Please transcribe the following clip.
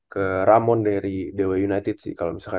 ke ramon dari dw united sih kalau misalnya